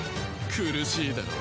苦しいだろ。